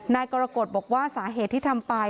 นายกรกฎบอกว่าสาเหตุที่ทำไป